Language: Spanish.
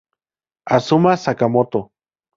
Azuma Sakamoto